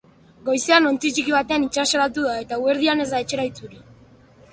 Goizean ontzi txiki batean itsasoratu da, eta eguerdian ez da etxera itzuli.